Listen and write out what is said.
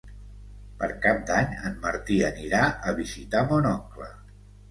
Per Cap d'Any en Martí anirà a visitar mon oncle.